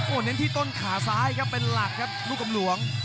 เน้นที่ต้นขาซ้ายครับเป็นหลักครับลูกกำหลวง